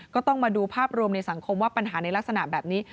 ก็ต้องมาดูภาพรวมในสังคมว่าปัญหาในลักษณะแบบนี้